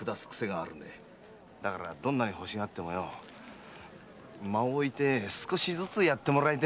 だからどんなに欲しがっても間をおいて少しずつやってくれ。